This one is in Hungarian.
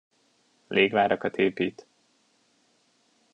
Légvárakat épít.